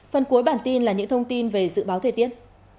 phần cuối bản tin là những thông tin về dự báo thời tiết